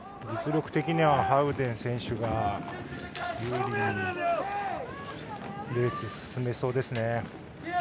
実力的にはハウデン選手が有利にレースを進めそうですね。